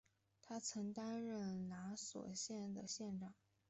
他曾经担任拿索县的县长。